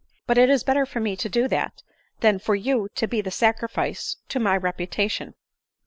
" But it is better for me to do that, than for you to be the sacrifice to my reputation."